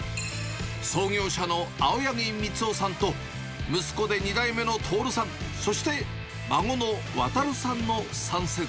創業者の青柳三夫さんと、息子で２代目の徹さん、そして孫の航さんの３世代。